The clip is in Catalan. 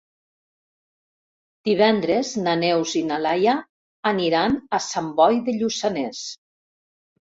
Divendres na Neus i na Laia aniran a Sant Boi de Lluçanès.